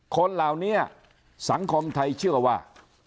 คนเหล่านี้สังคมไทยเชื่อว่า